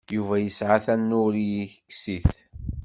Yuba yesɛa tanuṛiksit.